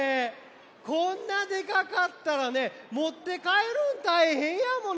こんなでかかったらねもってかえるんたいへんやもんね。